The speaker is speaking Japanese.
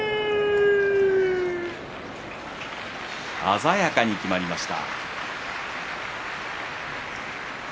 鮮やかにきまりました。